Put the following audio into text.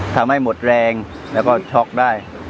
ทำให้หมดแรงแล้วก็ช็อกได้